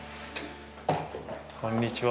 こんにちは。